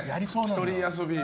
１人遊びを。